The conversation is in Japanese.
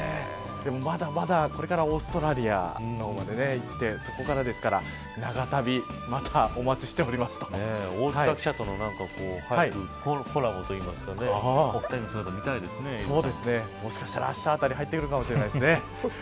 でも、まだまだこれからオーストラリアの方まで行ってそこからですから、長旅大塚記者との早くコラボというかねもしかしたらあしたあたり入ってくるかもしれないですね。